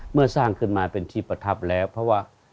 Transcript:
สร้างขึ้นมาเป็นที่ประทับแล้วเพราะว่า